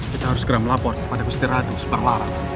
kita harus geram lapor kepada gusti raden separlaran